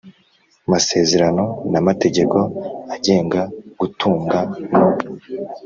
masezerano n amategeko agenga gutunga no